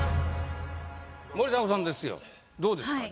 森迫さんですよどうですか自信。